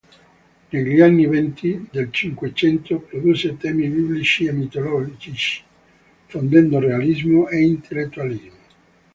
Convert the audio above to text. Negli anni venti del Cinquecento produsse temi biblici e mitologici, fondendo realismo e intellettualismo.